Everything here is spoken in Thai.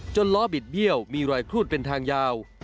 ล้อบิดเบี้ยวมีรอยครูดเป็นทางยาว